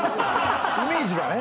イメージがね。